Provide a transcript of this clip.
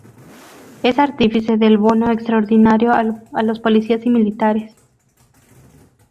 Es artífice del Bono Extraordinario a los Policías y Militares.